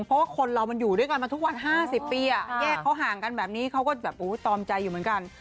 เพราะว่าคนเรามันอยู่ด้วยกันมาทุกวัน๕๐ปีแยกเขาห่างกันแบบนี้เขาก็แบบตอมใจอยู่เหมือนกัน